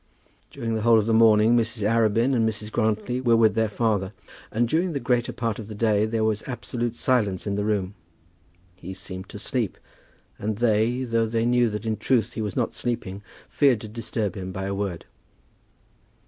During the whole of the morning Mrs. Arabin and Mrs. Grantly were with their father, and during the greater part of the day there was absolute silence in the room. He seemed to sleep; and they, though they knew that in truth he was not sleeping, feared to disturb him by a word.